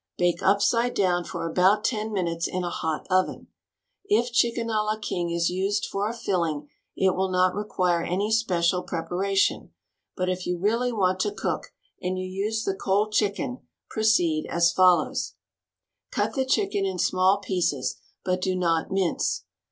Bake upside down for about ten minutes in a hot oven. If Chicken a la King is used for a filling it will not require any special prepara tion, but if you really want to cook, and you use the cold chicken, proceed as follows: Cut the chicken in small pieces, but do not mince.